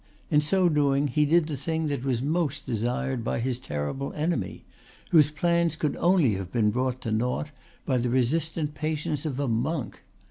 in so doing he did the thing that was most desired by his terrible enemy, whose plans could only have been brought to nought by the resistant patience of a monk.